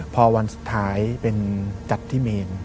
พอวันสุดท้ายเป็นจัดที่เมน